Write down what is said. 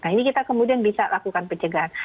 nah ini kita kemudian bisa lakukan pencegahan